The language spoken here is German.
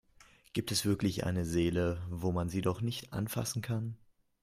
Gibt es wirklich eine Seele, wo man sie doch nicht anfassen kann?